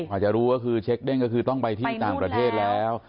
พอจะรู้ก็คือเช็คเด้งก็คือต้องไปที่ต่างประเทศแล้ว